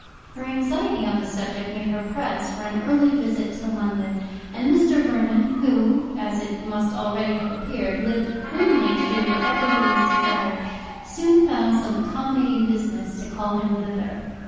Her anxiety on the subject made her press for an early visit to London; and Mr. Vernon, who, as it must already have appeared, lived only to do whatever he was desired, soon found some accommodating business to call him thither.